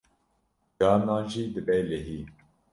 Carinan jî dibe lehî.